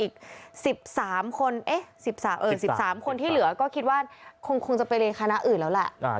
อีก๑๓คน๑๓คนที่เหลือก็คิดว่าคงจะไปเรียนคณะอื่นแล้วแหละ